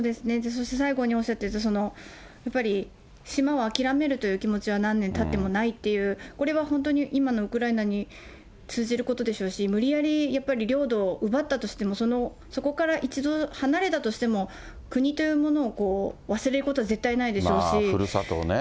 そして最後におっしゃっていた、やっぱり島を諦めるという気持ちは何年たってもないっていう、これは本当に今のウクライナに通じることでしょうし、無理やりやっぱり領土を奪ったとしても、そこから一度離れたとしても、国というものを忘れることは絶対ないでしょうし。